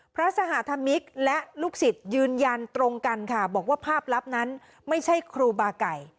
พระสหมิกและลูกศิษย์ยืนยันตรงกันค่ะบอกว่าภาพลับนั้นไม่ใช่ครูบาไก่